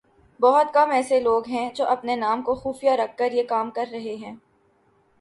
بہت کم ایسے لوگ ہیں جو اپنے نام کو خفیہ رکھ کر یہ کام کررہے ہیں